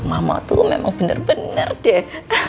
mama tuh memang bener bener deh